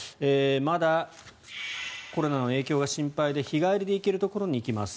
まだコロナの影響が心配で日帰りで行けるところへ行きます。